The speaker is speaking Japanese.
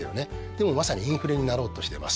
でもまさにインフレになろうとしてます。